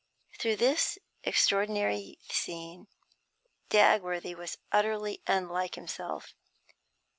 Through this extraordinary scene Dagworthy was utterly unlike himself.